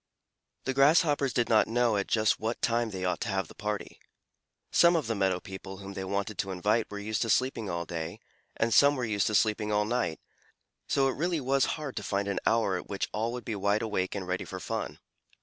The Grasshoppers did not know at just what time they ought to have the party. Some of the meadow people whom they wanted to invite were used to sleeping all day, and some were used to sleeping all night, so it really was hard to find an hour at which all would be wide awake and ready for fun.